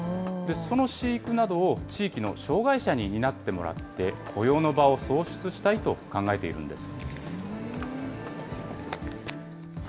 その飼育などを、地域の障害者に担ってもらって、雇用の場を創出したいと考えているんです。